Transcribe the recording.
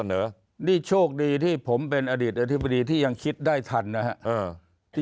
เหรอนี่โชคดีที่ผมเป็นอดีตอธิบดีที่ยังคิดได้ทันนะครับ